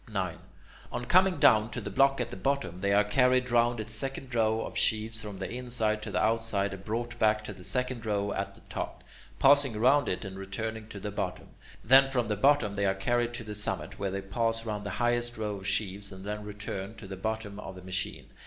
9. On coming down to the block at the bottom, they are carried round its second row of sheaves from the inside to the outside, and brought back to the second row at the top, passing round it and returning to the bottom; then from the bottom they are carried to the summit, where they pass round the highest row of sheaves, and then return to the bottom of the machine.